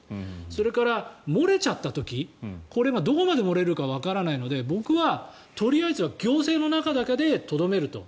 それから、漏れちゃった時これがどこまで漏れるかわからないので僕はとりあえずは行政の中だけでとどめると。